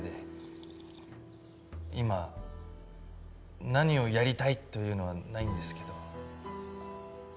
今何をやりたいというのはないんですけど。